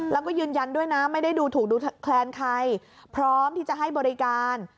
แล้วก็ยืนยันด้วยนะไม่ได้ดูถูกดูแคลนใครพร้อมที่จะให้บริการ